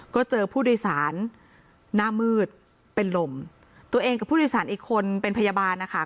ก็เลยบอกให้คนขับไปส่งที่โรงพยาบาลเถอะ